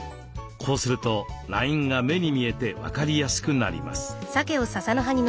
こうするとラインが目に見えて分かりやすくなります。